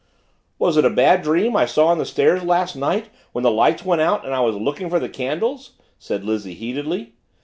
"Was it a bad dream I saw on the stairs last night when the lights went out and I was looking for the candles?" said Lizzie heatedly.